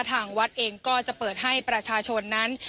ทางวัดเองก็จะเปิดให้ประชาชนนั้น